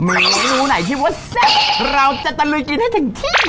เมนูไหนที่ว่าแซ่บเราจะตะลุยกินให้ถึงที่